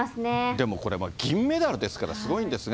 でもこれ、銀メダルですから、すごいんですが。